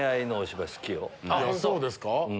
そうですか？